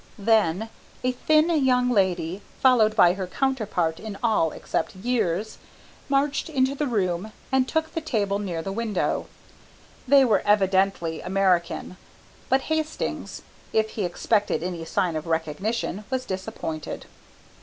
Then a thin young lady, followed by her counterpart in all except years, marched into the room and took the table near the window. They were evidently American, but Hastings, if he expected any sign of recognition, was disappointed.